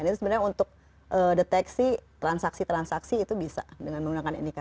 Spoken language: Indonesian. ini sebenarnya untuk deteksi transaksi transaksi itu bisa dengan menggunakan nik